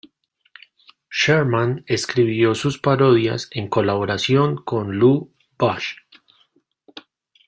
Sherman escribió sus parodias en colaboración con Lou Busch.